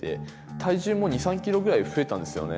体重も２３キロぐらい増えたんですよね。